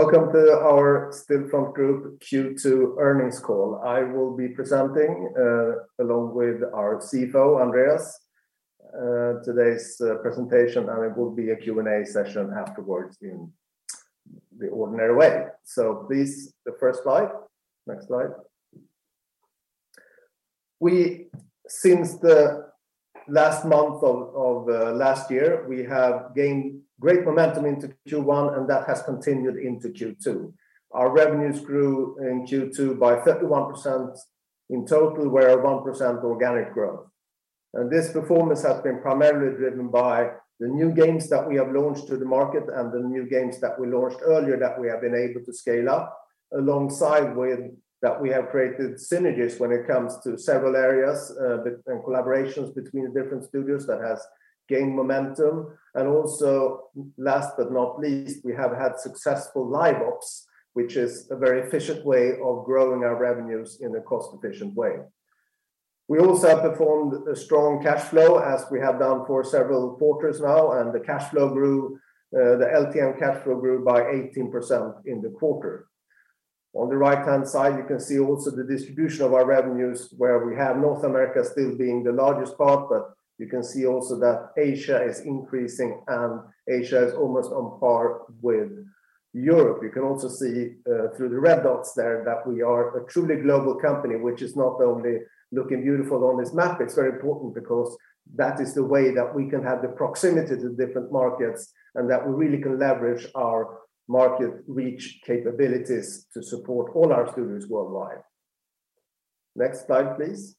Welcome to our Stillfront Group Q2 earnings call. I will be presenting, along with our CFO, Andreas, today's presentation, and there will be a Q&A session afterwards in the ordinary way. Please, the first slide. Next slide. Since the last month of last year, we have gained great momentum into Q1, and that has continued into Q2. Our revenues grew in Q2 by 31% in total, with 1% organic growth. This performance has been primarily driven by the new games that we have launched to the market and the new games that we launched earlier that we have been able to scale up alongside with that we have created synergies when it comes to several areas, and collaborations between the different studios that has gained momentum. Last but not least, we have had successful live ops, which is a very efficient way of growing our revenues in a cost-efficient way. We also have performed a strong cash flow as we have done for several quarters now, and the cash flow grew, the LTM cash flow grew by 18% in the quarter. On the right-hand side, you can see also the distribution of our revenues where we have North America still being the largest part, but you can see also that Asia is increasing, and Asia is almost on par with Europe. You can also see through the red dots there that we are a truly global company which is not only looking beautiful on this map, it's very important because that is the way that we can have the proximity to different markets and that we really can leverage our market reach capabilities to support all our studios worldwide. Next slide, please.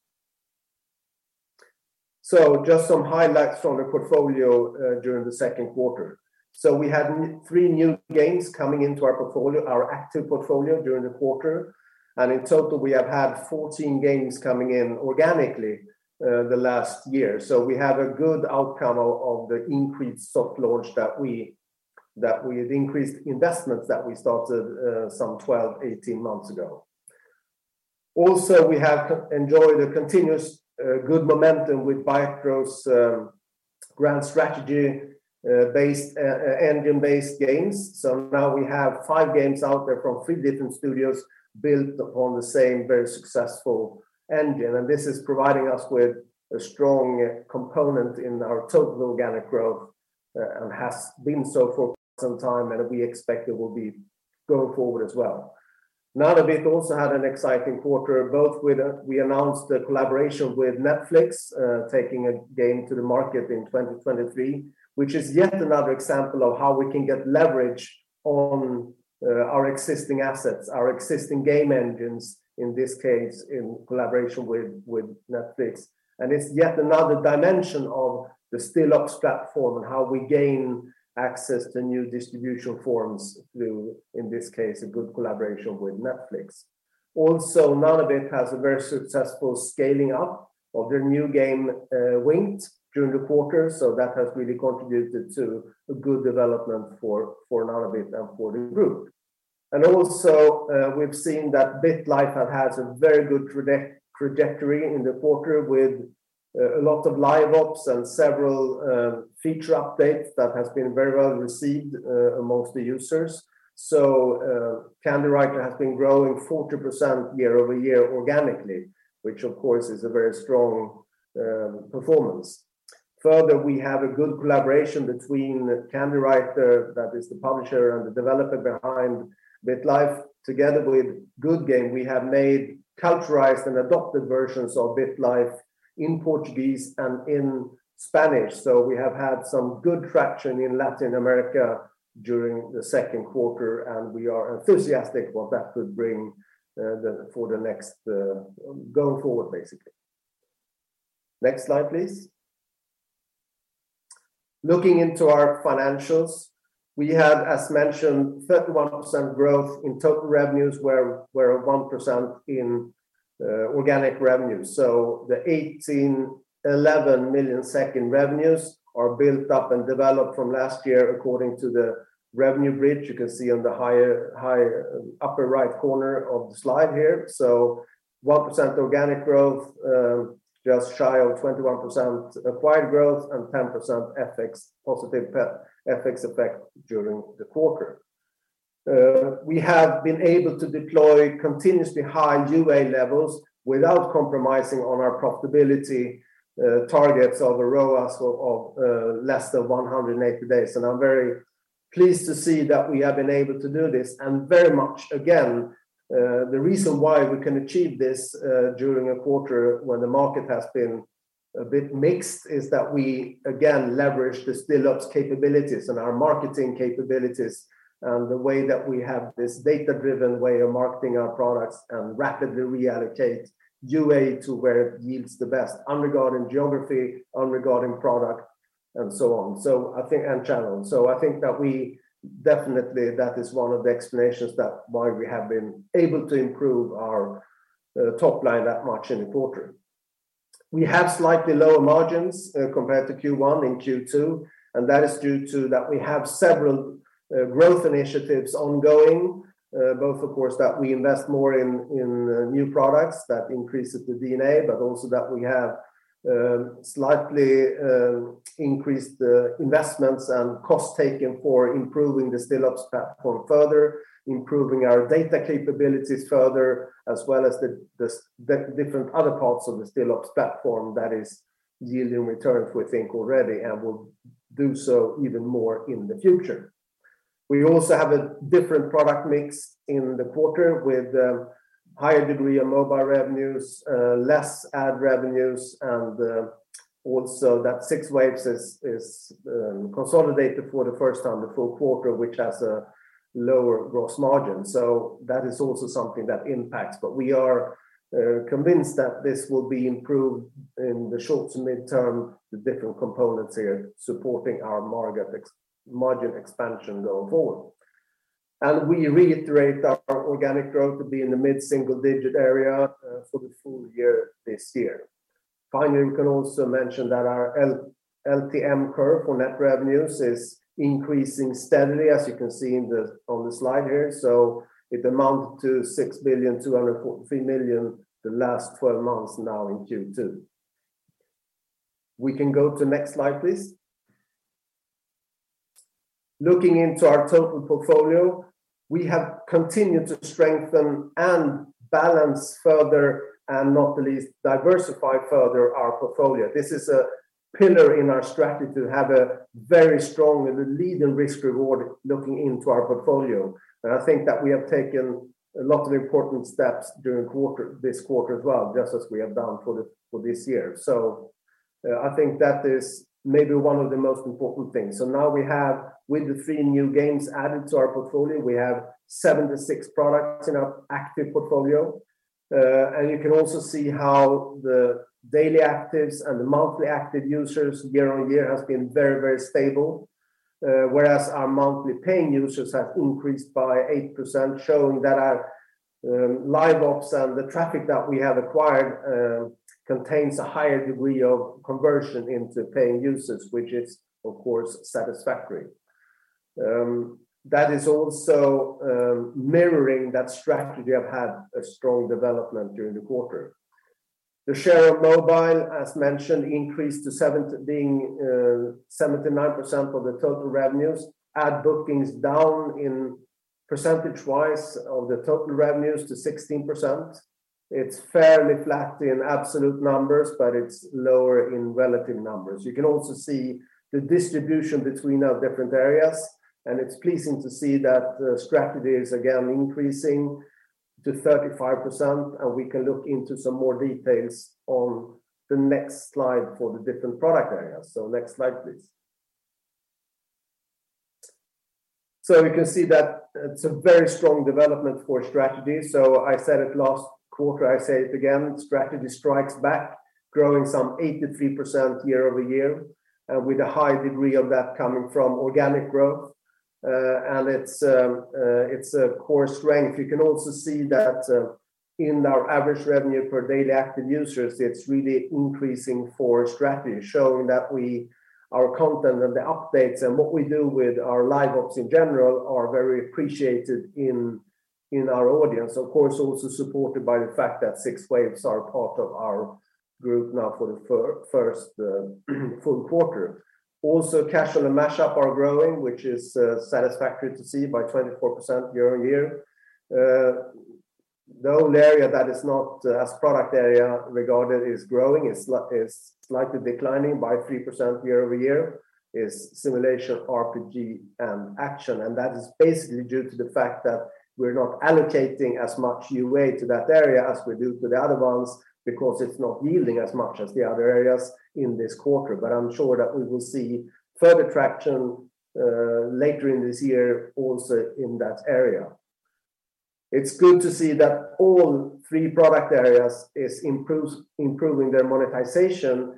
Just some highlights from the portfolio during the second quarter. We had three new games coming into our portfolio, our active portfolio during the quarter, and in total, we have had 14 games coming in organically the last year. We have a good outcome of the increased soft launch that we had increased investments that we started some 12, 18 months ago. Also, we have enjoyed a continuous good momentum with Bytro across grand strategy-based engine-based games. Now we have five games out there from three different studios built upon the same very successful engine. This is providing us with a strong component in our total organic growth, and has been so for some time, and we expect it will be going forward as well. Nanobit also had an exciting quarter, both with we announced a collaboration with Netflix, taking a game to the market in 2023, which is yet another example of how we can get leverage on our existing assets, our existing game engines, in this case, in collaboration with Netflix. It's yet another dimension of the Stillops platform and how we gain access to new distribution forms through, in this case, a good collaboration with Netflix. Also, Nanobit has a very successful scaling up of their new game, Winged during the quarter, so that has really contributed to a good development for Nanobit and for the group. Also, we've seen that BitLife has had a very good trajectory in the quarter with a lot of live ops and several feature updates that has been very well received among the users. Candywriter has been growing 40% year-over-year organically, which of course is a very strong performance. Further, we have a good collaboration between Candywriter, that is the publisher and the developer behind BitLife, together with Goodgame, we have made culturalized and adapted versions of BitLife in Portuguese and in Spanish. We have had some good traction in Latin America during the second quarter, and we are enthusiastic about what that could bring going forward, basically. Next slide, please. Looking into our financials, we had, as mentioned, 31% growth in total revenues, where we're at 1% in organic revenue. The 18.11 Million revenues are built up and developed from last year according to the revenue bridge you can see on the upper right corner of the slide here. 1% organic growth, just shy of 21% acquired growth and 10% FX, positive FX effect during the quarter. We have been able to deploy continuously high UA levels without compromising on our profitability targets of a ROAS of less than 180 days. I'm very pleased to see that we have been able to do this and very much, again, the reason why we can achieve this during a quarter when the market has been a bit mixed is that we again leverage the Stillops capabilities and our marketing capabilities and the way that we have this data-driven way of marketing our products and rapidly reallocate UA to where it yields the best regarding geography, regarding product, and so on, and channel. I think that is one of the explanations why we have been able to improve our top line that much in the quarter. We have slightly lower margins compared to Q1 in Q2, and that is due to that we have several growth initiatives ongoing, both of course that we invest more in new products that increases the D&A, but also that we have slightly increase the investments and cost taken for improving the Stillops platform further, improving our data capabilities further, as well as the different other parts of the Stillops platform that is yielding returns we think already and will do so even more in the future. We also have a different product mix in the quarter with higher degree of mobile revenues, less ad revenues, and also that 6waves is consolidated for the first time the full quarter, which has a lower gross margin. That is also something that impacts. We are convinced that this will be improved in the short to mid-term, the different components here supporting our margin expansion going forward. We reiterate our organic growth to be in the mid-single digit area, for the full year this year. Finally, we can also mention that our LTM curve for net revenues is increasing steadily, as you can see on the slide here. It amounts to 6,243 million the last twelve months now in Q2. We can go to next slide, please. Looking into our total portfolio, we have continued to strengthen and balance further, and not the least diversify further our portfolio. This is a pillar in our strategy to have a very strong and a leading risk reward looking into our portfolio. I think that we have taken a lot of important steps during this quarter as well, just as we have done for this year. I think that is maybe one of the most important things. Now we have, with the three new games added to our portfolio, we have six to seven products in our active portfolio. And you can also see how the daily actives and the monthly active users year-on-year has been very, very stable. Whereas our monthly paying users have increased by 8%, showing that our live ops and the traffic that we have acquired contains a higher degree of conversion into paying users, which is of course satisfactory. That is also mirroring that Strategy have had a strong development during the quarter. The share of mobile, as mentioned, increased to 79% of the total revenues, ad bookings down in percentage-wise of the total revenues to 16%. It's fairly flat in absolute numbers, but it's lower in relative numbers. You can also see the distribution between our different areas, and it's pleasing to see that Strategy is again increasing to 35%, and we can look into some more details on the next slide for the different product areas. Next slide, please. We can see that it's a very strong development for Strategy. I said it last quarter, I say it again, Strategy strikes back growing some 83% year-over-year, with a high degree of that coming from organic growth. And it's a core strength. You can also see that in our average revenue per daily active users, it's really increasing for Strategy, showing that our content and the updates and what we do with our live ops in general are very appreciated in our audience. Of course, also supported by the fact that 6waves are part of our group now for the first full quarter. Also, Casual and Mashup are growing, which is satisfactory to see by 24% year-over-year. The only product area that is not growing is slightly declining by 3% year-over-year: Simulation, RPG, and Action. That is basically due to the fact that we're not allocating as much UA to that area as we do to the other ones because it's not yielding as much as the other areas in this quarter. I'm sure that we will see further traction, later in this year also in that area. It's good to see that all three product areas is improving their monetization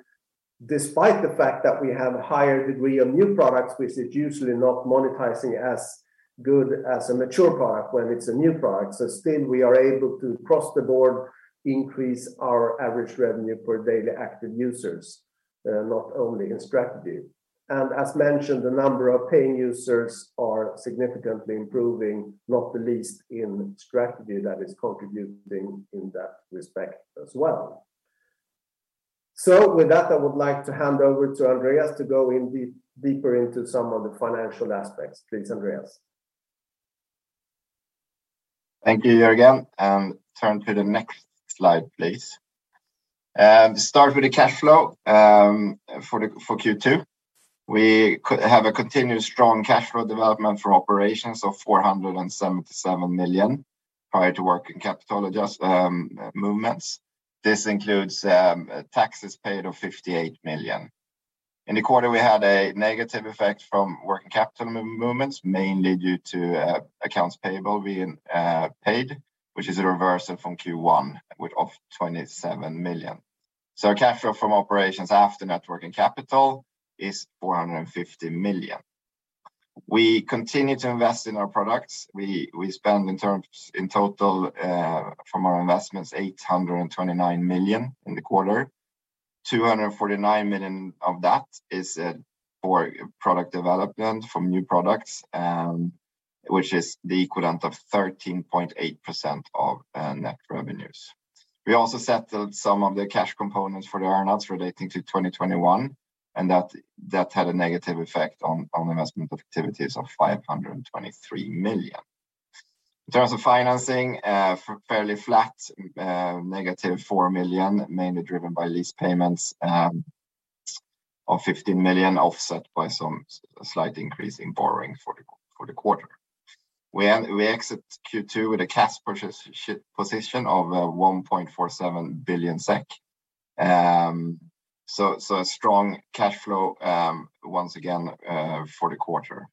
despite the fact that we have a higher degree of new products, which is usually not monetizing as good as a mature product when it's a new product. Still we are able to across the board increase our average revenue per daily active users, not only in strategy. As mentioned, the number of paying users are significantly improving, not the least in strategy that is contributing in that respect as well. With that, I would like to hand over to Andreas to go in deeper into some of the financial aspects. Please, Andreas. Thank you, Jörgen, and turn to the next slide, please. Start with the cash flow for Q2. We have a continued strong cash flow development for operations of 477 million prior to working capital movements. This includes taxes paid of 58 million. In the quarter, we had a negative effect from working capital movements, mainly due to accounts payable being paid, which is a reversal from Q1 with of 27 million. Our cash flow from operations after net working capital is 450 million. We continue to invest in our products. We spend in total from our investments 829 million in the quarter. 249 million of that is for product development from new products, and which is the equivalent of 13.8% of net revenues. We also settled some of the cash components for the earn-outs relating to 2021, and that had a negative effect on investment activities of 523 million. In terms of financing, fairly flat, -4 million, mainly driven by lease payments of 15 million, offset by some slight increase in borrowing for the quarter. We exit Q2 with a cash position of 1.47 billion SEK. A strong cash flow once again for the quarter.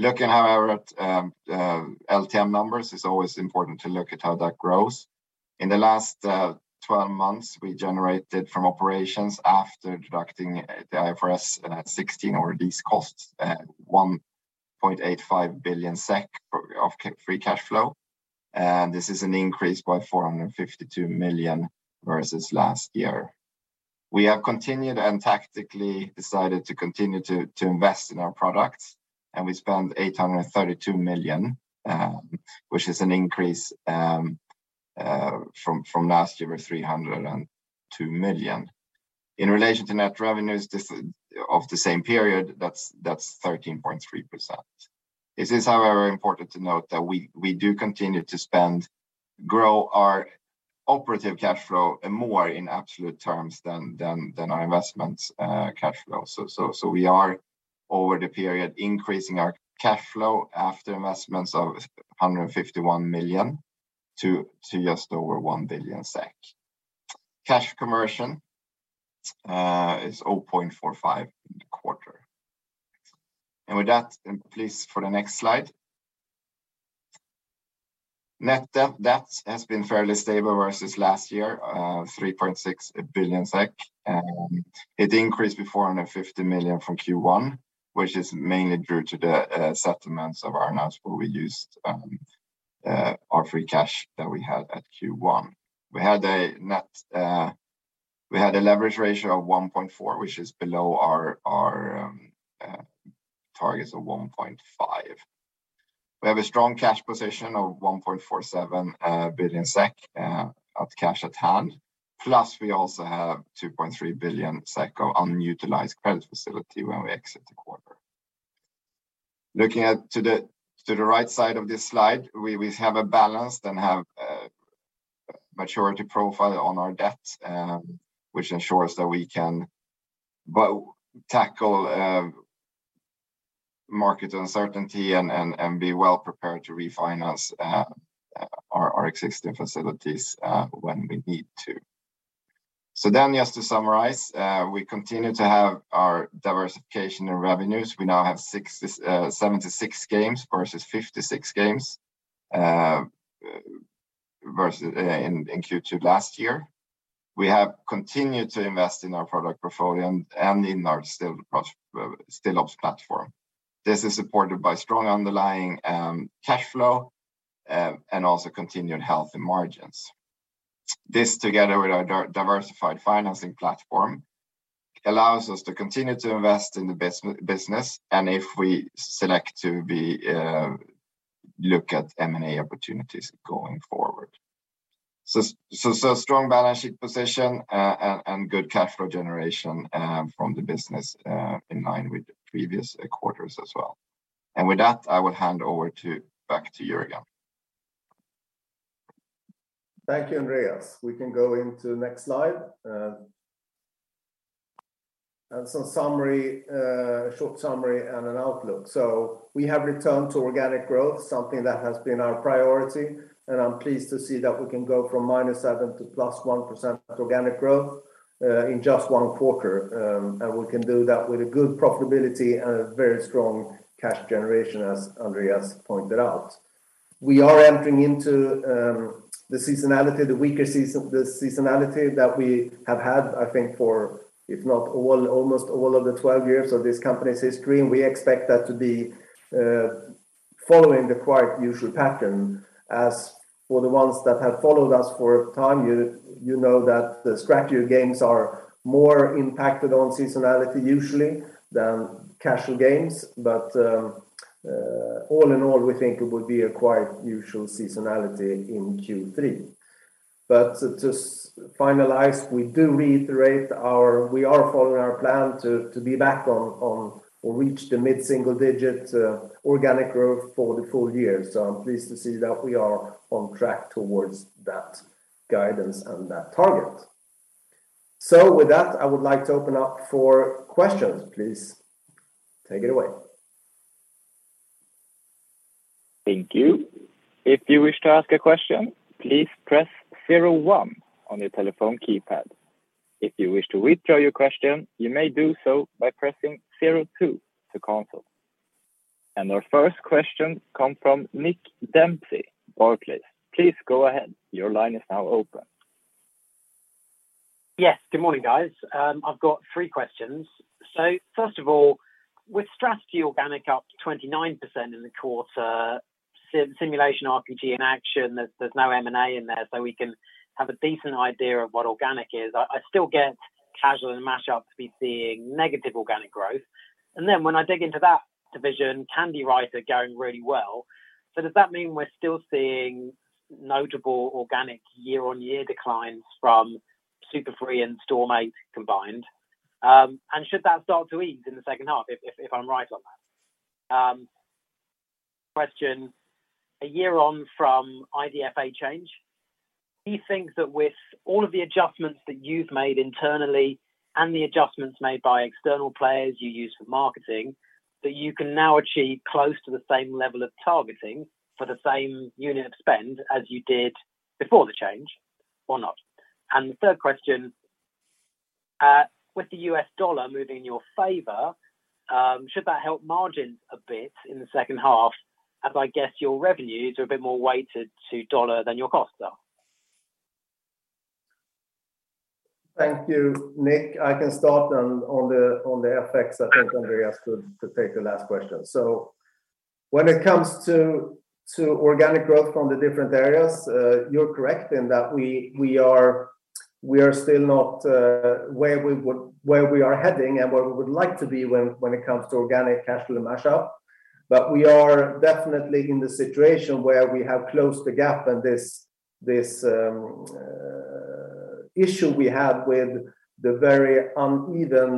Looking, however, at LTM numbers, it's always important to look at how that grows. In the last 12 months, we generated from operations, after deducting the IFRS 16 lease costs, 1.85 billion SEK of free cash flow. This is an increase by 452 million versus last year. We have continued and tactically decided to continue to invest in our products, and we spent 832 million, which is an increase from last year of 302 million. In relation to net revenues of the same period, that's 13.3%. It is, however, important to note that we do continue to grow our operating cash flow more in absolute terms than our investments cash flow. We are over the period increasing our cash flow after investments of 151 million to just over 1 billion SEK. Cash conversion is 0.45 in the quarter. With that, please for the next slide. Net debt has been fairly stable versus last year, 3.6 billion SEK. It increased to 450 million from Q1, which is mainly due to the settlements of earn-outs where we used our free cash that we had at Q1. We had a leverage ratio of 1.4, which is below our targets of 1.5. We have a strong cash position of 1.47 billion SEK of cash at hand, plus we also have 2.3 billion SEK of unutilized credit facility when we exit the quarter. Looking to the right side of this slide, we have a balanced maturity profile on our debt, which ensures that we can tackle market uncertainty and be well-prepared to refinance our existing facilities when we need to. To summarize, we continue to have our diversification in revenues. We now have 76 games versus 56 games in Q2 last year. We have continued to invest in our product portfolio and in our Stillops platform. This is supported by strong underlying cash flow and also continued healthy margins. This together with our diversified financing platform allows us to continue to invest in the business, and if we elect to look at M&A opportunities going forward. Strong balance sheet position and good cash flow generation from the business in line with the previous quarters as well. With that, I will hand back to you again. Thank you, Andreas. We can go into next slide. And some summary, short summary and an outlook. We have returned to organic growth, something that has been our priority, and I'm pleased to see that we can go from -7% to +1% organic growth in just one quarter. And we can do that with a good profitability and a very strong cash generation, as Andreas pointed out. We are entering into the seasonality, the weaker season the seasonality that we have had, I think, for if not all, almost all of the 12 years of this company's history, and we expect that to be following the quite usual pattern. As for the ones that have followed us for time, you know that the strategy games are more impacted on seasonality usually than casual games. All in all, we think it would be a quite usual seasonality in Q3. To finalize, we do reiterate our we are following our plan to be back on or reach the mid-single-digit organic growth for the full year. I'm pleased to see that we are on track towards that guidance and that target. With that, I would like to open up for questions. Please take it away. Thank you. If you wish to ask a question, please press zero one on your telephone keypad. If you wish to withdraw your question, you may do so by pressing zero two to cancel. Our first question come from Nick Dempsey, Barclays. Please go ahead. Your line is now open. Yes. Good morning, guys. I've got three questions. First of all, with Strategy organic up 29% in the quarter, simulation RPG in action, there's no M&A in there, so we can have a decent idea of what organic is. I still get Casual & Mash-up to be seeing negative organic growth. Then when I dig into that division, Candywriter going really well. Does that mean we're still seeing notable organic year-on-year declines from Super Free Games and Storm8 combined? And should that start to ease in the second half if I'm right on that? Question, a year on from IDFA change, do you think that with all of the adjustments that you've made internally and the adjustments made by external players you use for marketing, that you can now achieve close to the same level of targeting for the same unit of spend as you did before the change or not? The third question, with the U.S. dollar moving in your favor, should that help margins a bit in the second half, as I guess your revenues are a bit more weighted to dollar than your costs are? Thank you, Nick. I can start on the FX. I think Andreas could take the last question. When it comes to organic growth from the different areas, you're correct in that we are still not where we are heading and where we would like to be when it comes to organic Casual and Match Up. But we are definitely in the situation where we have closed the gap and this issue we had with the very uneven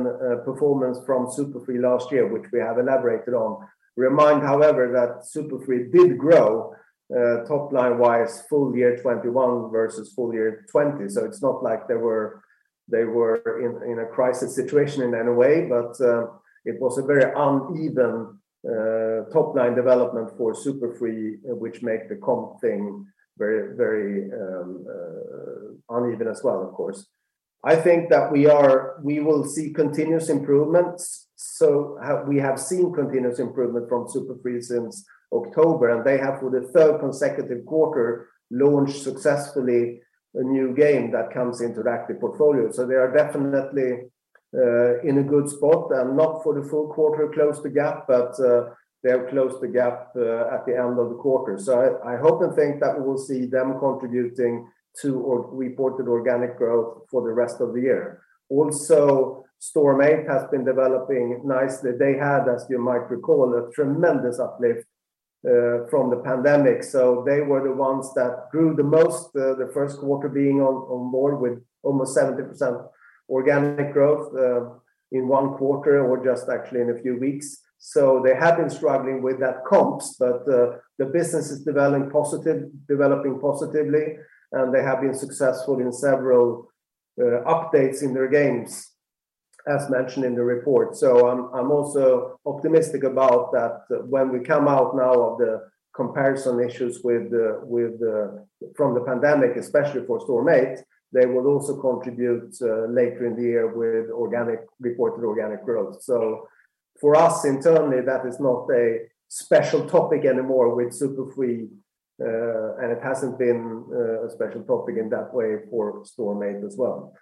performance from Super Free Games last year, which we have elaborated on. Remember, however, that Super Free Games did grow top line-wise full year 2021 versus full year 2020. It's not like they were in a crisis situation in any way, but it was a very uneven top-line development for Super Free Games, which make the comp thing very uneven as well, of course. I think that we will see continuous improvements. We have seen continuous improvement from Super Free Games since October, and they have for the third consecutive quarter launched successfully a new game that comes into the active portfolio. They are definitely in a good spot and not for the full quarter close the gap, but they have closed the gap at the end of the quarter. I hope and think that we will see them contributing to our reported organic growth for the rest of the year. Also, Storm8 has been developing nicely. They had, as you might recall, a tremendous uplift from the pandemic. They were the ones that grew the most, the first quarter being on board with almost 70% organic growth in one quarter or just actually in a few weeks. They have been struggling with that comps, but the business is developing positively, and they have been successful in several updates in their games, as mentioned in the report. I'm also optimistic about that when we come out now of the comparison issues from the pandemic, especially for Storm8. They will also contribute later in the year with reported organic growth. For us internally, that is not a special topic anymore with Super Free, and it hasn't been a special topic in that way for Storm8 as well.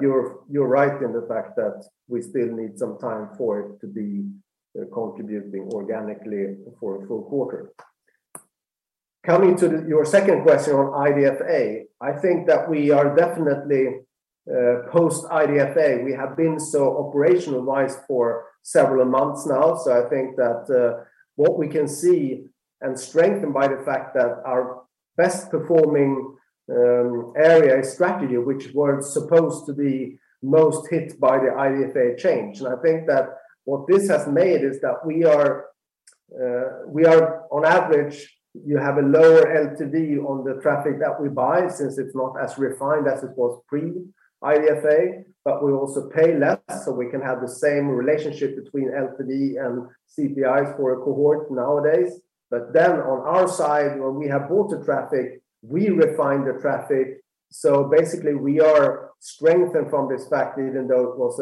You're right in the fact that we still need some time for it to be contributing organically for a full quarter. Coming to your second question on IDFA, I think that we are definitely post-IDFA. We have been so operationalized for several months now. I think that what we can see and strengthened by the fact that our best-performing area is Strategy, which was supposed to be most hit by the IDFA change. I think that what this has made is that we are on average, you have a lower LTV on the traffic that we buy since it's not as refined as it was pre-IDFA, but we also pay less, so we can have the same relationship between LTV and CPI for a cohort nowadays. On our side, when we have bought the traffic, we refine the traffic. Basically, we are strengthened from this fact even though it was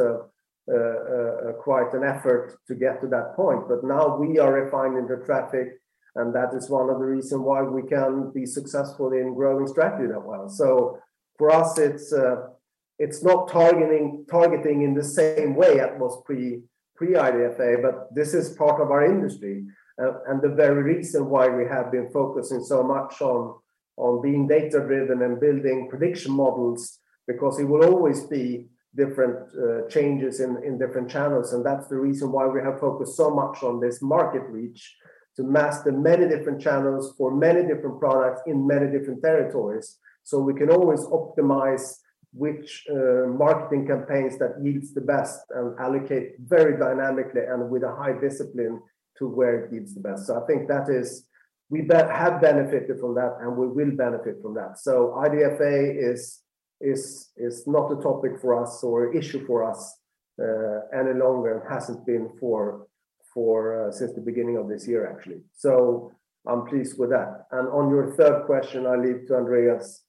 quite an effort to get to that point. Now we are refining the traffic, and that is one of the reason why we can be successful in growing Strategy that well. For us, it's not targeting in the same way it was pre-IDFA, but this is part of our industry. The very reason why we have been focusing so much on being data-driven and building prediction models because it will always be different changes in different channels. That's the reason why we have focused so much on this market reach to master many different channels for many different products in many different territories. We can always optimize which marketing campaigns that yields the best and allocate very dynamically and with a high discipline to where it yields the best. I think that we have benefited from that, and we will benefit from that. IDFA is not a topic for us or issue for us any longer, and hasn't been since the beginning of this year, actually. I'm pleased with that. On your third question, I leave to Andreas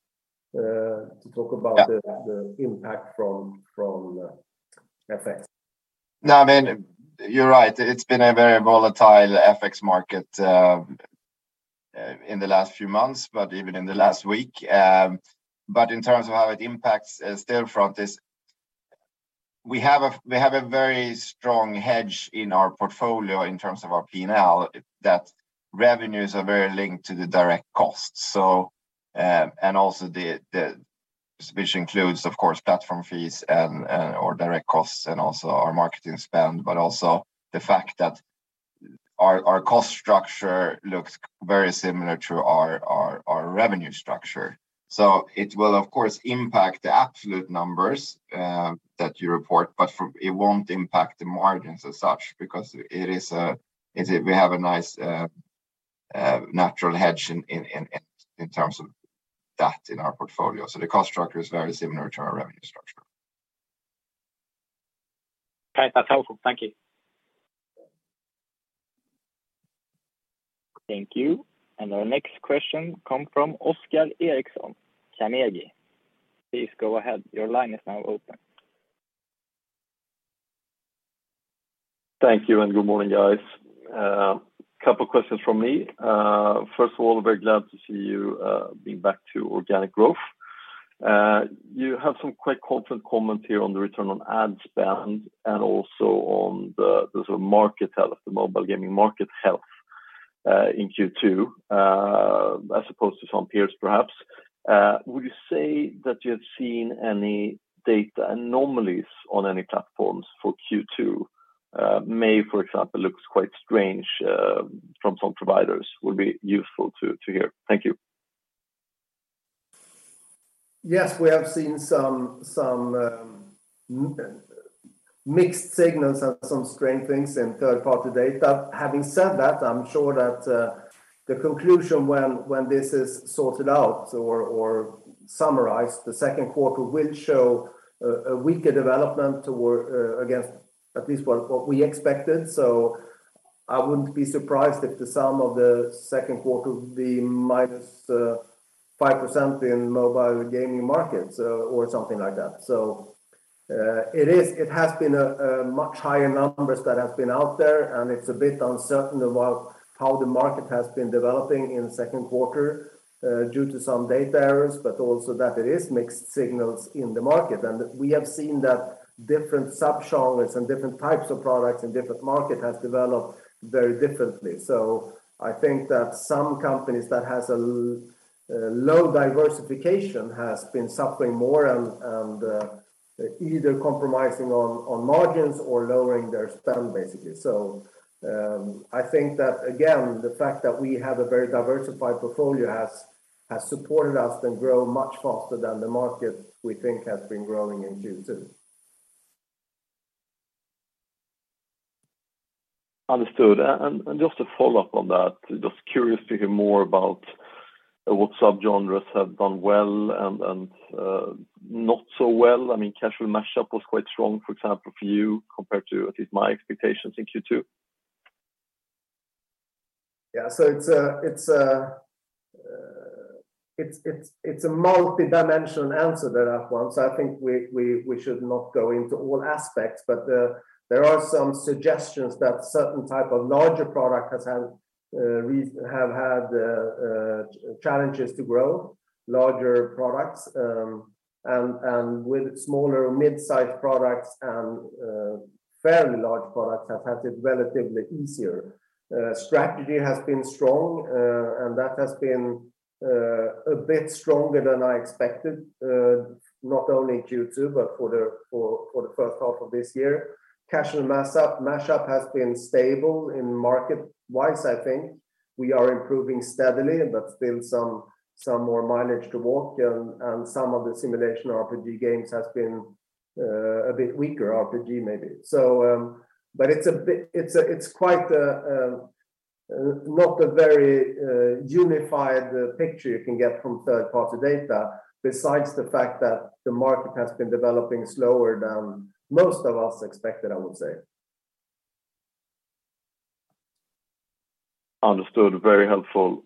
to talk about the Yeah. the impact from FX. No, I mean, you're right. It's been a very volatile FX market in the last few months, but even in the last week. In terms of how it impacts, Stillfront is We have a very strong hedge in our portfolio in terms of our P&L that revenues are very linked to the direct cost, and also, which includes, of course, platform fees and our direct costs and also our marketing spend, but also the fact that our cost structure looks very similar to our revenue structure. It will of course impact the absolute numbers that you report, but it won't impact the margins as such because we have a nice natural hedge in terms of that in our portfolio. The cost structure is very similar to our revenue structure. Great. That's helpful. Thank you. Thank you. Our next question come from Oscar Erixon, Carnegie. Please go ahead. Your line is now open. Thank you and good morning, guys. Couple questions from me. First of all, very glad to see you being back to organic growth. You have some quite confident comment here on the return on ad spend and also on the sort of market health, the mobile gaming market health, in Q2, as opposed to some peers perhaps. Would you say that you have seen any data anomalies on any platforms for Q2? May, for example, looks quite strange from some providers. Would be useful to hear. Thank you. Yes, we have seen some mixed signals and some strange things in third-party data. Having said that, I'm sure that the conclusion when this is sorted out or summarized, the second quarter will show a weaker development against at least what we expected. I wouldn't be surprised if the sum of the second quarter would be -5% in mobile gaming markets or something like that. It has been a much higher numbers that have been out there, and it's a bit uncertain about how the market has been developing in second quarter due to some data errors, but also that it is mixed signals in the market. We have seen that different subgenres and different types of products in different market have developed very differently. I think that some companies that has a low diversification has been suffering more and either compromising on margins or lowering their spend basically. I think that again, the fact that we have a very diversified portfolio has supported us then grow much faster than the market we think has been growing in Q2. Understood. Just to follow up on that, just curious to hear more about what subgenres have done well and not so well. I mean, casual mashup was quite strong, for example, for you compared to at least my expectations in Q2. Yeah. It's a multidimensional answer there, Oscar, so I think we should not go into all aspects. There are some suggestions that certain type of larger product have had challenges to grow larger products, and with smaller mid-size products and fairly large products have had it relatively easier. Strategy has been strong, and that has been a bit stronger than I expected, not only in Q2 but for the first half of this year. Casual mashup has been stable, market-wise, I think. We are improving steadily, but still some more mileage to walk and some of the simulation RPG games has been a bit weaker, RPG maybe. It's quite a not very unified picture you can get from third-party data besides the fact that the market has been developing slower than most of us expected, I would say. Understood. Very helpful.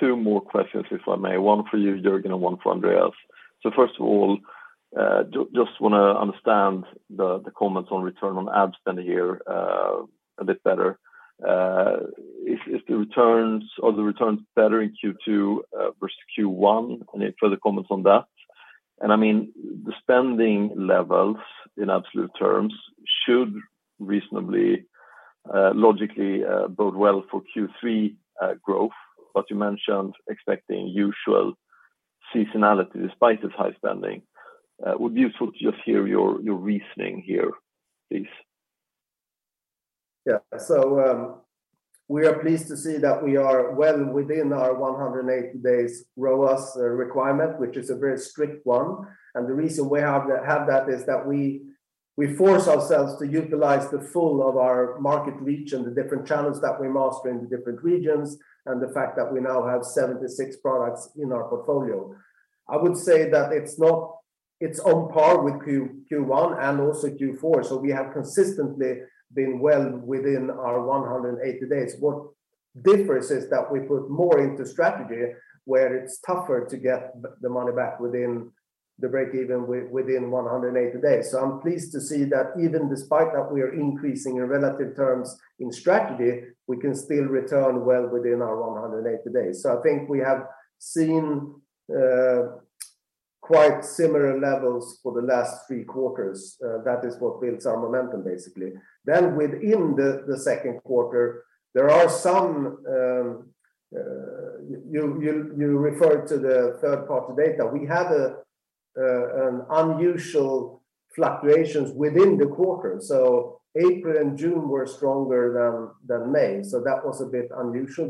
Two more questions, if I may. One for you Jörgen and one for Andreas. First of all, just wanna understand the comments on return on ad spend here a bit better. Is the returns better in Q2 versus Q1? Any further comments on that? I mean, the spending levels in absolute terms should reasonably logically bode well for Q3 growth, but you mentioned expecting usual seasonality despite this high spending. Would be useful to just hear your reasoning here, please. Yeah. We are pleased to see that we are well within our 180 days ROAS requirement, which is a very strict one. The reason we have that is that we force ourselves to utilize the full of our market reach and the different channels that we master in the different regions, and the fact that we now have 76 products in our portfolio. I would say that it's on par with Q1 and also Q4. We have consistently been well within our 180 days. What differs is that we put more into Strategy where it's tougher to get the money back within the break even within 180 days. I'm pleased to see that even despite that we are increasing in relative terms in Strategy, we can still return well within our 180 days. I think we have seen quite similar levels for the last three quarters. That is what builds our momentum basically. Within the second quarter, there are some you referred to the third-party data. We had an unusual fluctuations within the quarter. April and June were stronger than May. That was a bit unusual.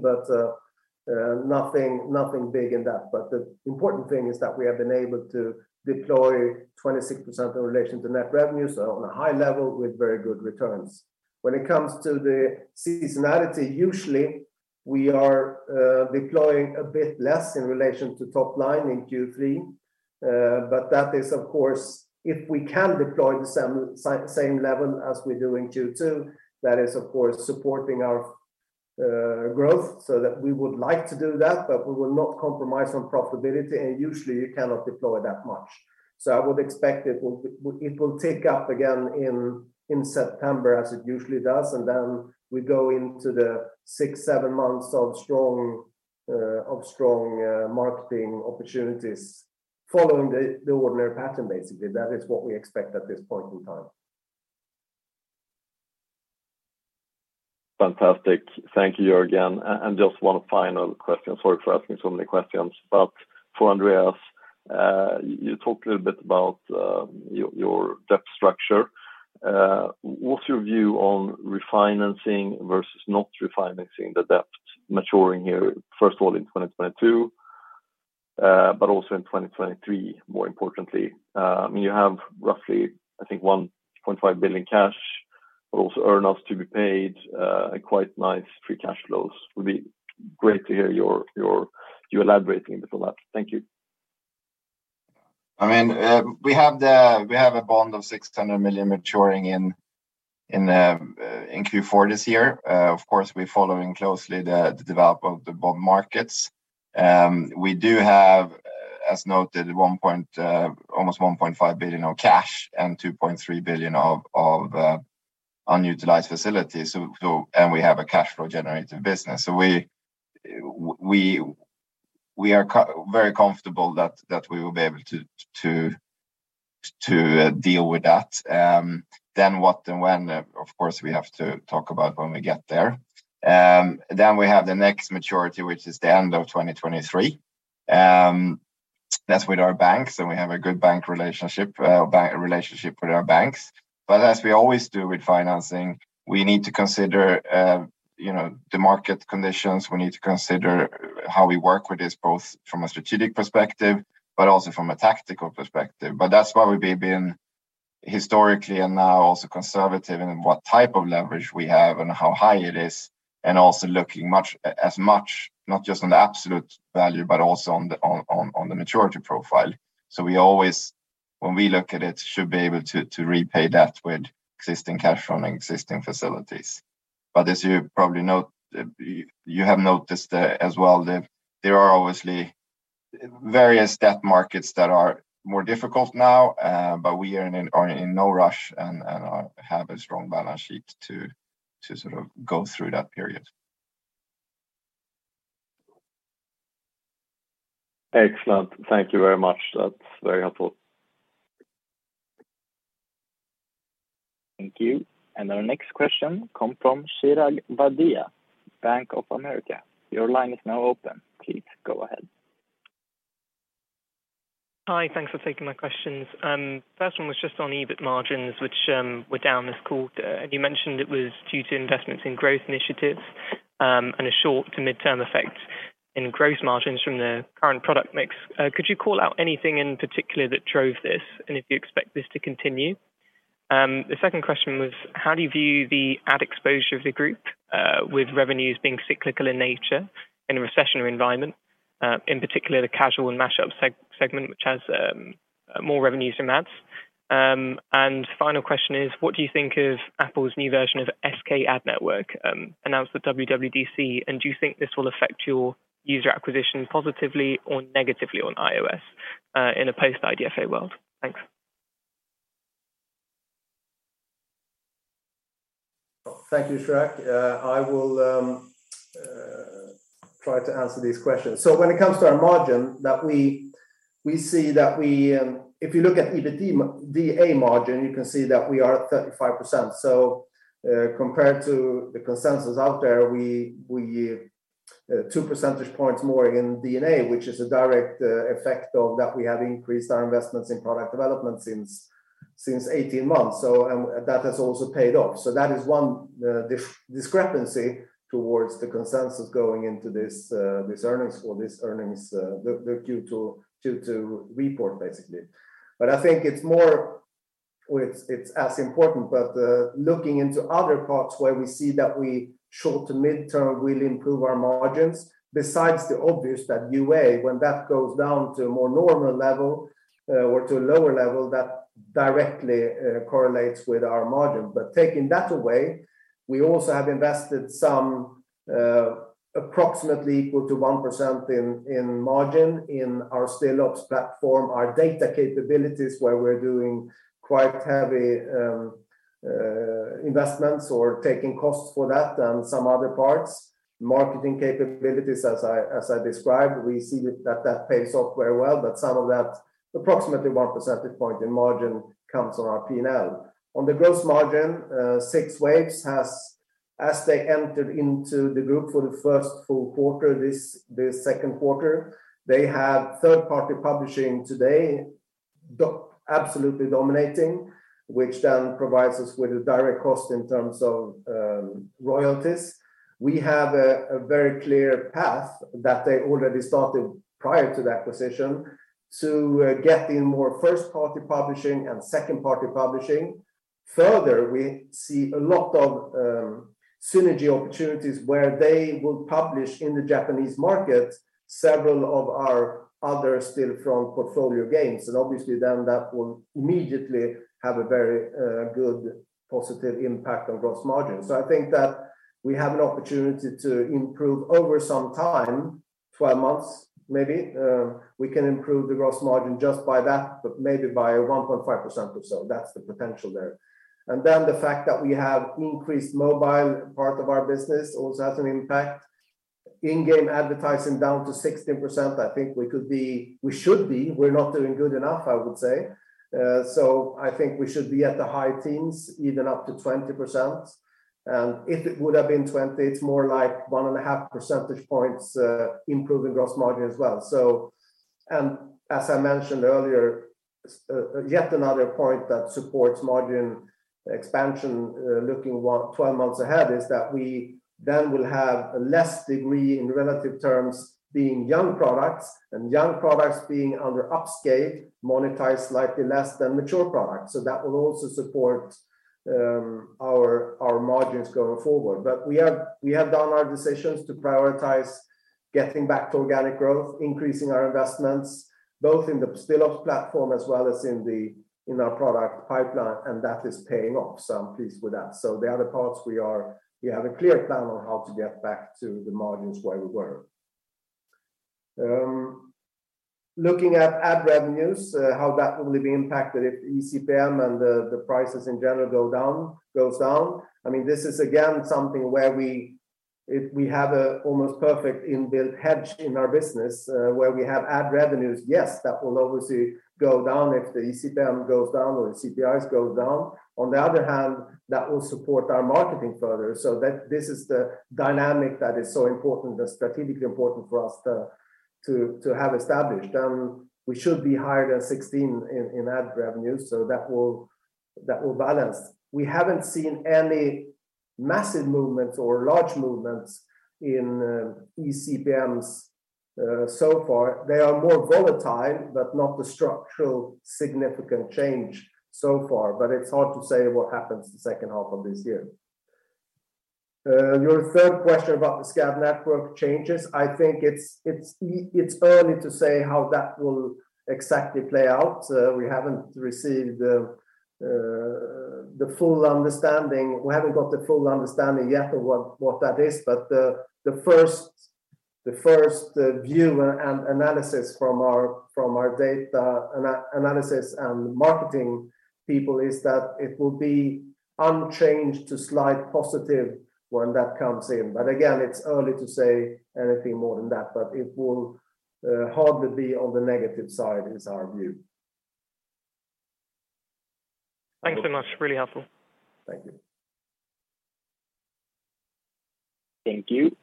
Nothing big in that. The important thing is that we have been able to deploy 26% in relation to net revenue, so on a high level with very good returns. When it comes to the seasonality, usually we are deploying a bit less in relation to top line in Q3. That is of course, if we can deploy the same level as we do in Q2, that is of course supporting our growth so that we would like to do that, but we will not compromise on profitability and usually you cannot deploy that much. I would expect it will tick up again in September as it usually does, then we go into the six-seven months of strong marketing opportunities following the ordinary pattern basically. That is what we expect at this point in time. Fantastic. Thank you, Jörgen. Just one final question. Sorry for asking so many questions. For Andreas, you talked a little bit about your debt structure. What's your view on refinancing versus not refinancing the debt maturing here, first of all in 2022, but also in 2023 more importantly? You have roughly, I think, 1.5 billion cash, but also earnouts to be paid, and quite nice free cash flows. Would be great to hear your elaborating a bit on that. Thank you. I mean, we have a bond of 600 million maturing in Q4 this year. Of course, we're following closely the development of the bond markets. We do have, as noted, almost 1.5 billion of cash and 2.3 billion of unutilized facilities. We have a cash flow generative business. We are very comfortable that we will be able to deal with that. What and when, of course, we have to talk about when we get there. We have the next maturity, which is the end of 2023. That's with our banks, and we have a good bank relationship with our banks. As we always do with financing, we need to consider, you know, the market conditions. We need to consider how we work with this, both from a strategic perspective, but also from a tactical perspective. That's why we've been being historically and now also conservative in what type of leverage we have and how high it is, and also looking as much, not just on the absolute value, but also on the maturity profile. We always, when we look at it, should be able to repay that with existing cash from existing facilities. As you probably note, you have noticed as well that there are obviously various debt markets that are more difficult now, but we are in no rush and have a strong balance sheet to sort of go through that period. Excellent. Thank you very much. That's very helpful. Thank you. Our next question come from Chirag Wadia, Bank of America. Your line is now open. Please go ahead. Hi. Thanks for taking my questions. First one was just on EBIT margins, which were down this quarter. You mentioned it was due to investments in growth initiatives, and a short to midterm effect in gross margins from the current product mix. Could you call out anything in particular that drove this, and if you expect this to continue? The second question was how do you view the ad exposure of the group, with revenues being cyclical in nature in a recessionary environment, in particular the casual and mashup segment which has more revenues from ads? Final question is what do you think of Apple's new version of SKAdNetwork, announced at WWDC, and do you think this will affect your user acquisition positively or negatively on iOS, in a post-IDFA world? Thanks. Thank you, Chirag. I will try to answer these questions. When it comes to our margin that we see, if you look at EBITDA margin, you can see that we are at 35%. Compared to the consensus out there, we're two percentage points more in D&A, which is a direct effect of that we have increased our investments in product development since 18 months. That has also paid off. That is one discrepancy towards the consensus going into this earnings, the Q2 report, basically. I think it's as important, but looking into other parts where we see that we short- to mid-term will improve our margins besides the obvious that UA, when that goes down to a more normal level, or to a lower level, that directly correlates with our margin. Taking that away, we also have invested some approximately equal to 1% in margin in our Stillops platform, our data capabilities, where we're doing quite heavy. Investments or taking costs for that and some other parts. Marketing capabilities, as I described, we see that pays off very well, but some of that approximately one percentage point in margin comes on our P&L. On the gross margin, 6waves has as they entered into the group for the first full quarter, this second quarter, they have third-party publishing today doing absolutely dominating, which then provides us with a direct cost in terms of royalties. We have a very clear path that they already started prior to the acquisition to get in more first-party publishing and second-party publishing. Further, we see a lot of synergy opportunities where they will publish in the Japanese market several of our other Stillfront portfolio games and obviously then that will immediately have a very good positive impact on gross margin. I think that we have an opportunity to improve over some time, 12 months maybe, we can improve the gross margin just by that, but maybe by a 1.5% or so, that's the potential there. Then the fact that we have increased mobile part of our business also has an impact. In-game advertising down to 16%, I think we should be, we're not doing good enough, I would say. I think we should be at the high 10s, even up to 20%. If it would have been 20%, it's more like 1.5 percentage points improving gross margin as well. As I mentioned earlier, yet another point that supports margin expansion, looking what 12 months ahead is that we then will have a less degree in relative terms being young products and young products being under scale, monetized slightly less than mature products. That will also support our margins going forward. We have done our decisions to prioritize getting back to organic growth, increasing our investments, both in the Stillfront platform as well as in our product pipeline, and that is paying off. I'm pleased with that. The other parts we have a clear plan on how to get back to the margins where we were. Looking at ad revenues, how that will be impacted if eCPM and the prices in general go down. I mean, this is again something where we, if we have an almost perfect inbuilt hedge in our business, where we have ad revenues, yes, that will obviously go down if the eCPM goes down or the eCPMs goes down. On the other hand, that will support our marketing further. That this is the dynamic that is so important, the strategically important for us to have established. We should be higher than 16 in ad revenues, so that will balance. We haven't seen any massive movements or large movements in eCPMs so far. They are more volatile, but not the structural significant change so far. It's hard to say what happens the second half of this year. Your third question about the SKAdNetwork changes, I think it's early to say how that will exactly play out. We haven't received the full understanding. We haven't got the full understanding yet of what that is. The first view and analysis from our data analysis and marketing people is that it will be unchanged to slight positive when that comes in. Again, it's early to say anything more than that, but it will hardly be on the negative side is our view. Thanks so much. Really helpful. Thank you. Thank you.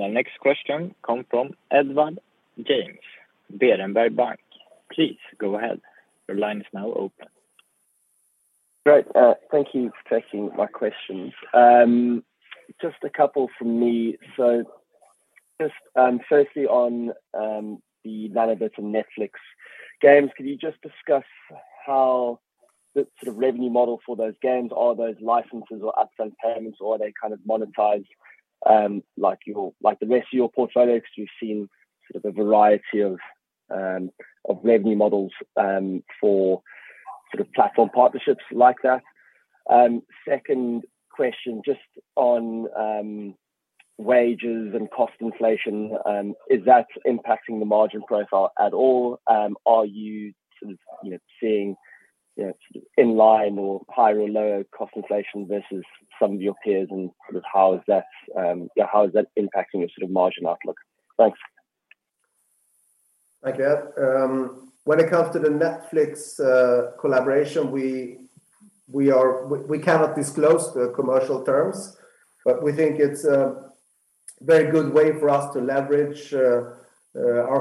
Our next question come from Edward James, Berenberg Bank. Please go ahead. Your line is now open. Great. Thank you for taking my questions. Just a couple from me. Just firstly on the Nanobit and Netflix games, could you just discuss how the sort of revenue model for those games, are those licenses or upfront payments or are they kind of monetized, like the rest of your portfolio? Because you've seen sort of a variety of revenue models for sort of platform partnerships like that. Second question, just on wages and cost inflation, is that impacting the margin profile at all? Are you sort of, you know, seeing, you know, sort of in line or higher or lower cost inflation versus some of your peers and sort of how is that, yeah, how is that impacting your sort of margin outlook? Thanks. Okay. When it comes to the Netflix collaboration, we cannot disclose the commercial terms, but we think it's a very good way for us to leverage our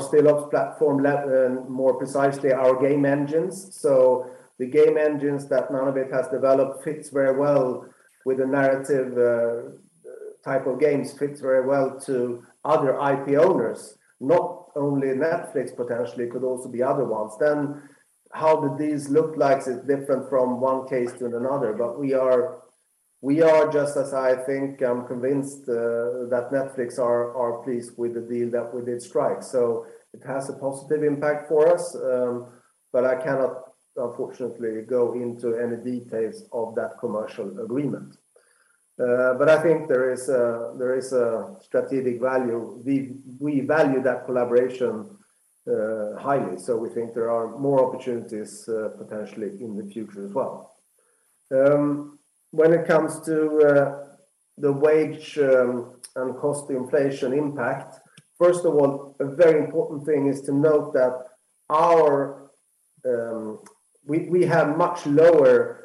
Stillfront platform, more precisely our game engines. The game engines that Nanobit has developed fits very well with the narrative type of games, fits very well to other IP owners, not only Netflix, potentially, it could also be other ones. How do these look like is different from one case to another. We are just as I think I'm convinced that Netflix are pleased with the deal that we did strike. It has a positive impact for us, but I cannot, unfortunately, go into any details of that commercial agreement. I think there is a strategic value. We value that collaboration highly, so we think there are more opportunities potentially in the future as well. When it comes to the wage and cost inflation impact, first of all, a very important thing is to note that we have much lower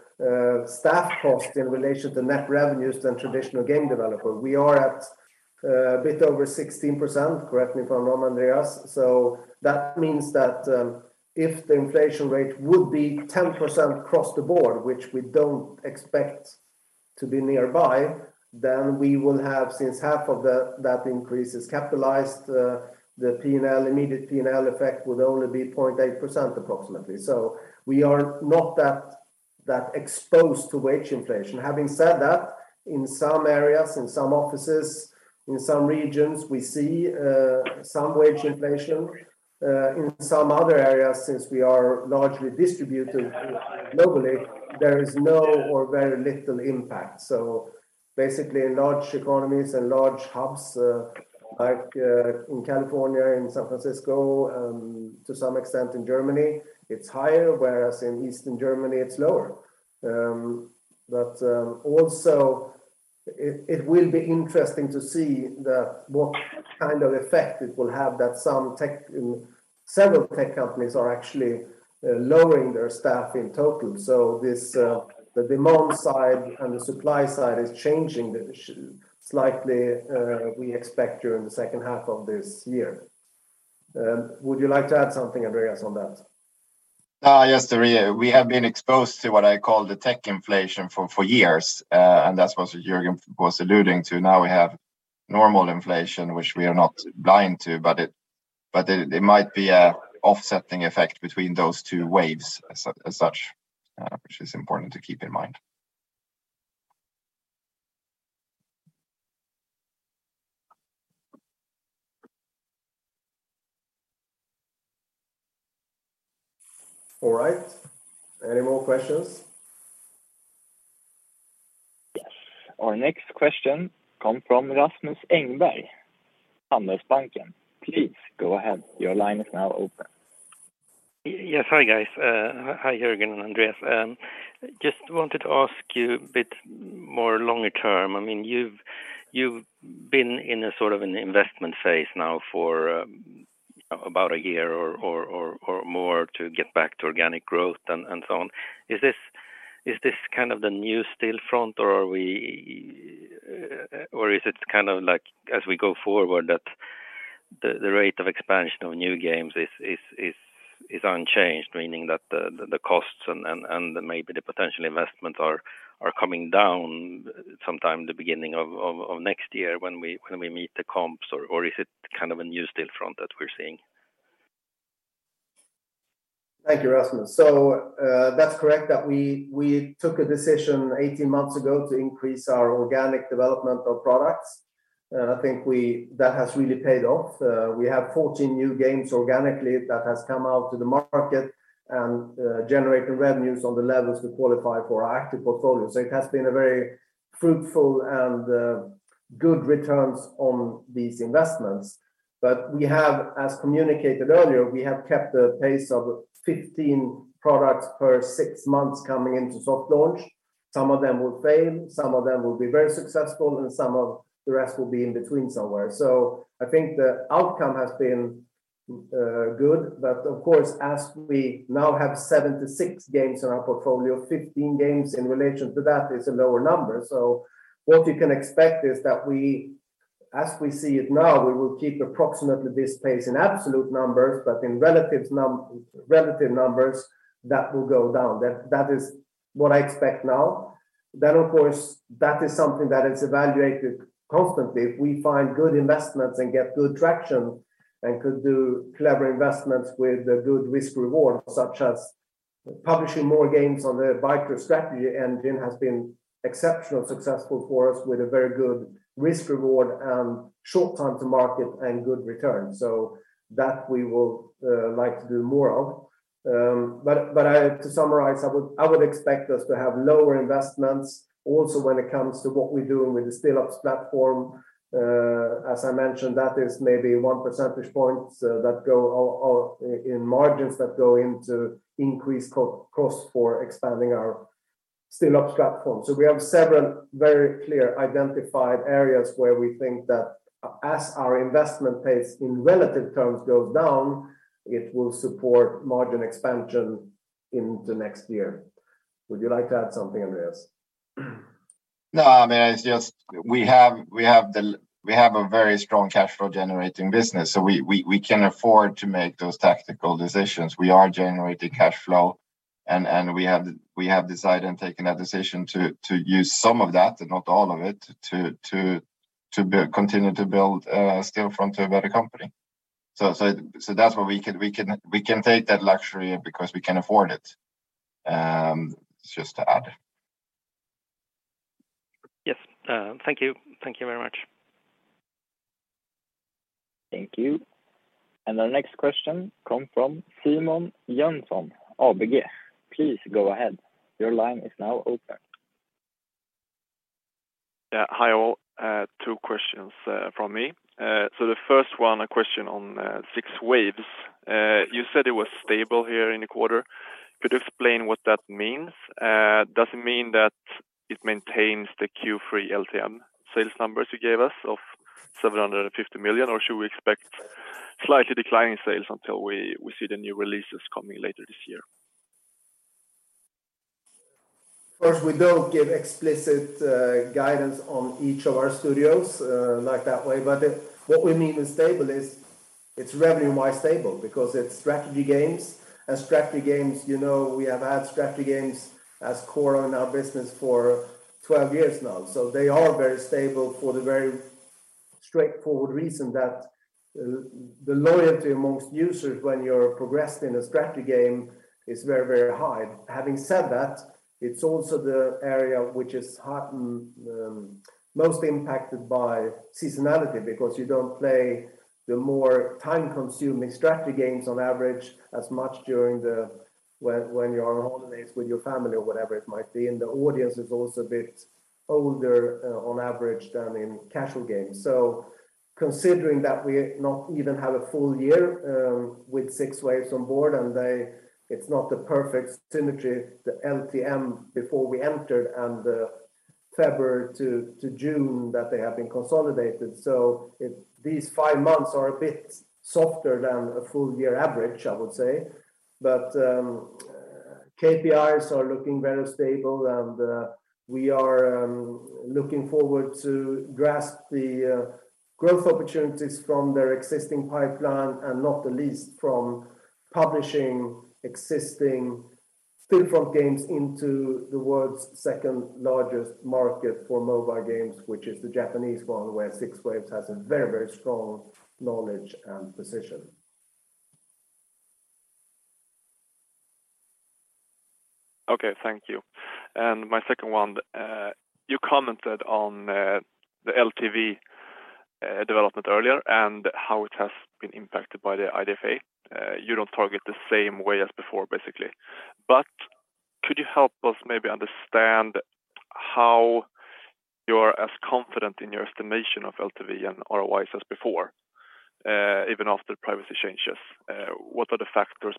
staff cost in relation to net revenues than traditional game developers. We are at a bit over 16%, correct me if I'm wrong, Andreas. That means that if the inflation rate would be 10% across the board, which we don't expect to be nearby, then we will have, since half of that increase is capitalized, the immediate P&L effect would only be 0.8% approximately. We are not that exposed to wage inflation. Having said that, in some areas, in some offices, in some regions, we see some wage inflation. In some other areas, since we are largely distributed globally, there is no or very little impact. Basically in large economies and large hubs, like in California, in San Francisco, to some extent in Germany, it's higher, whereas in Eastern Germany it's lower. Also it will be interesting to see what kind of effect it will have that several tech companies are actually lowering their staff in total. The demand side and the supply side is changing slightly, we expect, during the second half of this year. Would you like to add something, Andreas, on that? Yes, we have been exposed to what I call the tech inflation for years, and that's what Jörgen was alluding to. Now we have normal inflation, which we are not blind to, but it might be an offsetting effect between those two waves as such, which is important to keep in mind. All right, any more questions? Yes. Our next question come from Rasmus Engberg, Kepler Cheuvreux. Please go ahead. Your line is now open. Yes. Hi, guys. Hi, Jörgen and Andreas. Just wanted to ask you a bit more longer term. I mean, you've been in a sort of an investment phase now for about a year or more to get back to organic growth and so on. Is this kind of the new Stillfront or are we, or is it kind of like as we go forward that the rate of expansion of new games is unchanged, meaning that the costs and maybe the potential investments are coming down sometime the beginning of next year when we meet the comps? Or is it kind of a new Stillfront that we're seeing? Thank you, Rasmus. That's correct that we took a decision 18 months ago to increase our organic development of products, and I think that has really paid off. We have 14 new games organically that has come out to the market and generated revenues on the levels to qualify for our active portfolio. It has been a very fruitful and good returns on these investments. As communicated earlier, we have kept a pace of 15 products per six months coming into soft launch. Some of them will fail, some of them will be very successful, and some of the rest will be in between somewhere. I think the outcome has been good. Of course, as we now have 76 games in our portfolio, 15 games in relation to that is a lower number. What you can expect is that we, as we see it now, we will keep approximately this pace in absolute numbers, but in relative numbers, that will go down. That is what I expect now. Of course, that is something that is evaluated constantly. If we find good investments and get good traction and could do clever investments with a good risk reward, such as publishing more games on the Bytro strategy and engine has been exceptionally successful for us with a very good risk reward and short time to market and good return, that we will like to do more of. But to summarize, I would expect us to have lower investments also when it comes to what we're doing with the Stillops platform. As I mentioned, that is maybe one percentage point that go all-in margins that go into increased cost for expanding our Stillops platform. We have several very clearly identified areas where we think that as our investment pace in relative terms goes down, it will support margin expansion in the next year. Would you like to add something, Andreas? No, I mean, it's just we have a very strong cash flow generating business, so we can afford to make those tactical decisions. We are generating cash flow and we have decided and taken a decision to use some of that, and not all of it, to continue to build Stillfront a better company. That's where we can take that luxury because we can afford it, just to add. Yes. Thank you. Thank you very much. Thank you. Our next question come from Simon Jönsson, ABG. Please go ahead. Your line is now open. Yeah. Hi, all. Two questions from me. The first one, a question on 6waves. You said it was stable here in the quarter. Could you explain what that means? Does it mean that it maintains the Q3 LTM sales numbers you gave us of 750 million, or should we expect slightly declining sales until we see the new releases coming later this year? Of course, we don't give explicit guidance on each of our studios like that way. What we mean with stable is it's revenue-wise stable because it's strategy games. Strategy games, you know, we have had strategy games as core in our business for 12 years now, so they are very stable for the very straightforward reason that the loyalty amongst users when you're progressing a strategy game is very, very high. Having said that, it's also the area which is hot and most impacted by seasonality because you don't play the more time-consuming strategy games on average as much. When you're on holidays with your family or whatever it might be, and the audience is also a bit older on average than in casual games. Considering that we not even have a full year with 6waves on board, It's not the perfect symmetry, the LTM before we entered, and the February to June that they have been consolidated. These five months are a bit softer than a full year average, I would say. KPIs are looking very stable and we are looking forward to grasp the growth opportunities from their existing pipeline and not the least from publishing existing Stillfront games into the world's second-largest market for mobile games, which is the Japanese one, where 6waves has a very, very strong knowledge and position. Okay. Thank you. My second one. You commented on the LTV development earlier and how it has been impacted by the IDFA. You don't target the same way as before, basically. Could you help us maybe understand how you are as confident in your estimation of LTV and ROIs as before, even after privacy changes? What are the factors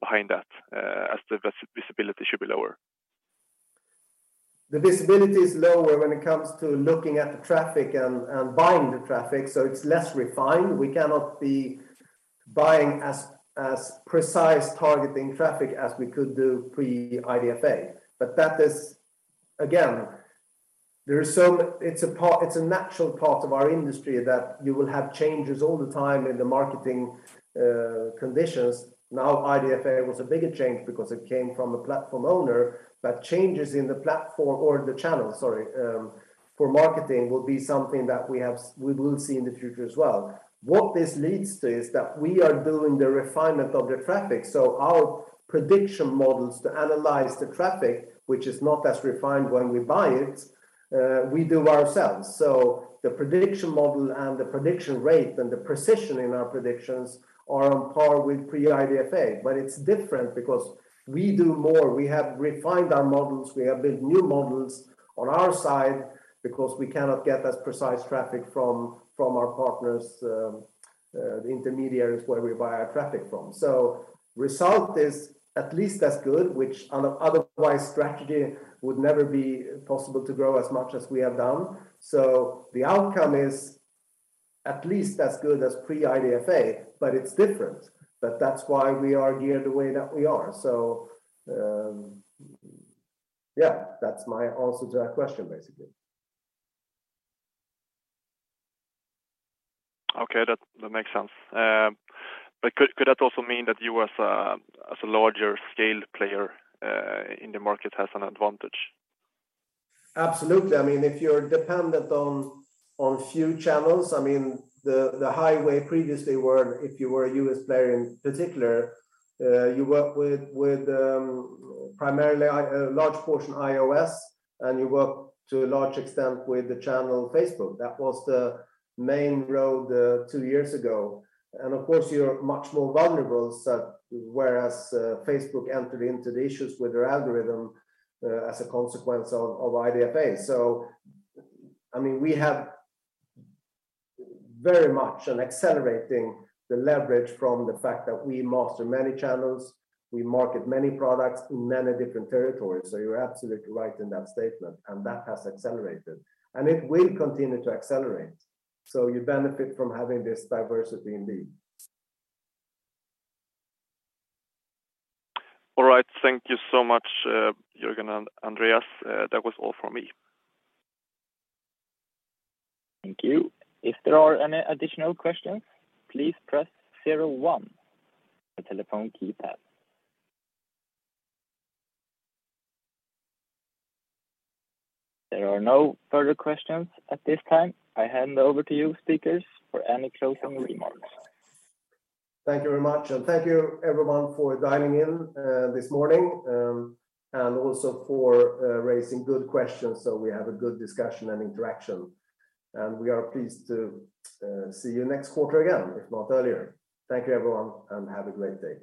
behind that, as the visibility should be lower? The visibility is lower when it comes to looking at the traffic and buying the traffic, so it's less refined. We cannot be buying as precise targeting traffic as we could do pre-IDFA. That is a natural part of our industry that you will have changes all the time in the marketing conditions. Now, IDFA was a bigger change because it came from a platform owner, but changes in the platform or the channel for marketing will be something that we will see in the future as well. What this leads to is that we are doing the refinement of the traffic, so our prediction models to analyze the traffic, which is not as refined when we buy it, we do ourselves. The prediction model and the prediction rate and the precision in our predictions are on par with pre-IDFA. It's different because we do more. We have refined our models, we have built new models on our side because we cannot get as precise traffic from our partners, the intermediaries where we buy our traffic from. Result is at least as good, which on an otherwise strategy would never be possible to grow as much as we have done. The outcome is at least as good as pre-IDFA, but it's different. That's why we are geared the way that we are. Yeah, that's my answer to that question, basically. Okay. That makes sense. Could that also mean that you as a larger scale player in the market has an advantage? Absolutely. I mean, if you're dependent on few channels, I mean, the highway previously were if you were a U.S. player in particular, you work with primarily a large portion iOS, and you work to a large extent with the channel Facebook. That was the main road two years ago. Of course, you're much more vulnerable to that, whereas Facebook entered into the issues with their algorithm as a consequence of IDFA. I mean, we have very much accelerated the leverage from the fact that we master many channels, we market many products in many different territories. You're absolutely right in that statement, and that has accelerated, and it will continue to accelerate. You benefit from having this diversity indeed. All right. Thank you so much, Jörgen and Andreas. That was all from me. Thank you. If there are any additional questions, please press zero one on your telephone keypad. There are no further questions at this time. I hand over to you speakers for any closing remarks. Thank you very much, and thank you everyone for dialing in this morning, and also for raising good questions so we have a good discussion and interaction. We are pleased to see you next quarter again, if not earlier. Thank you everyone, and have a great day.